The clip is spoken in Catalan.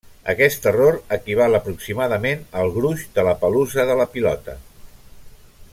Aquest error equival aproximadament al gruix de la pelussa de la pilota.